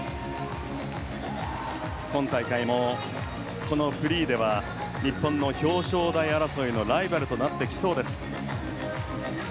今大会もこのフリーでは日本の表彰台争いのライバルとなってきそうです。